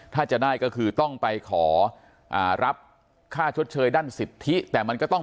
ถ้าจะได้ก็คือต้องไปขออ่ารับค่าชดเชยด้านสิทธิแต่มันก็ต้อง